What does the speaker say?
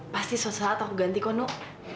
pasti suatu saat aku ganti kau nuk